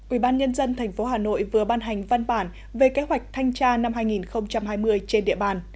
ủy ban nhân dân thành phố hà nội vừa ban hành văn bản về kế hoạch thanh tra năm hai nghìn hai mươi trên địa bàn